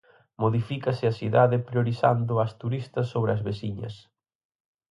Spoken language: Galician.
Modifícase a cidade priorizando ás turistas sobre as veciñas.